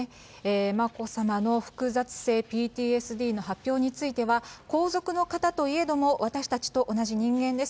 眞子さまの複雑性ＰＴＳＤの発表については、皇族の方といえども、私たちと同じ人間です。